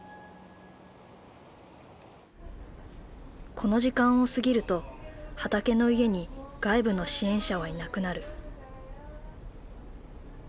この時間を過ぎるとはたけのいえに外部の支援者はいなくなる。